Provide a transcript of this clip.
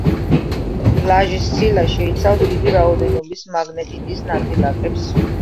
პლაჟის სილა შეიცავს დიდი რაოდენობით მაგნეტიტის ნაწილაკებს.